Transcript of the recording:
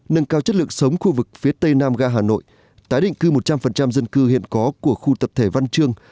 nâng cao chất lượng sống khu vực phía tây nam ga hà nội tái định cư một trăm linh dân cư hiện có của khu tập thể văn trương